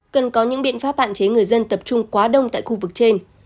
cần có những biện pháp hạn chế người dân tập trung quá đông tại khu vực trên